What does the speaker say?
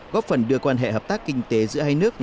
góp phần đưa quan hệ hợp tác kinh tế giữa hai nước